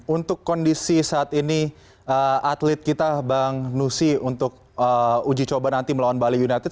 untuk kondisi saat ini atlet kita bang nusi untuk uji coba nanti melawan bali united